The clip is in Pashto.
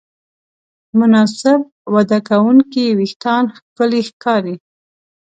مناسب وده کوونکي وېښتيان ښکلي ښکاري.